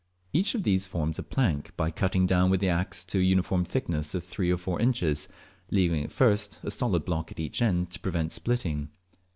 Each of these forms a plank by cutting down with the axe to a uniform thickness of three or four inches, leaving at first a solid block at each end to prevent splitting.